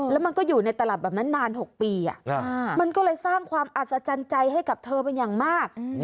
แล้วมันก็อยู่ในตลับแบบนั้นนาน๖ปีมันก็เลยสร้างความอัศจรรย์ใจให้กับเธอเป็นอย่างมาก